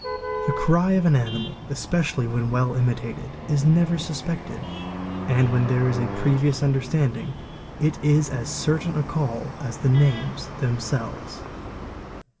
The cry of an animal, especially whe well imitated, is never suspected, and when there is a previous unde standing it is as certain a call as the names themselves.